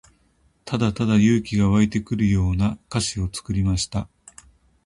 ただただ勇気が湧いてくるような歌詞を作りました。